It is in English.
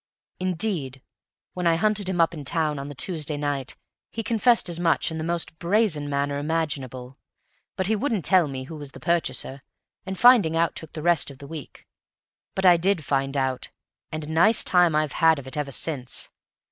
Indeed, when I hunted him up in town on the Tuesday night, he confessed as much in the most brazen manner imaginable. But he wouldn't tell me who was the purchaser, and finding out took the rest of the week; but I did find out, and a nice time I've had of it ever since!